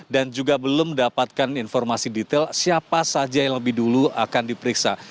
dan belum dapatkan informasi detail siapa saja yang lebih dulu akan diperiksa